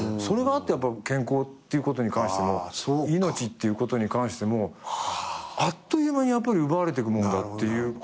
それがあってやっぱり健康っていうことに関しても命っていうことに関してもあっという間に奪われていくもんだっていう。